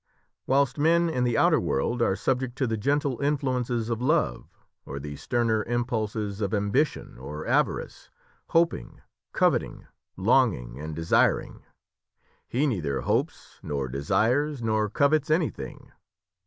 Whilst men in the outer world are subject to the gentle influences of love, or the sterner impulses of ambition or avarice, hoping, coveting, longing, and desiring, he neither hopes, nor desires, nor covets anything.